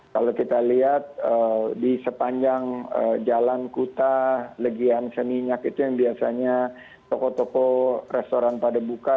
kalau kita lihat di sepanjang jalan kuta legian seminyak itu yang biasanya toko toko restoran pada buka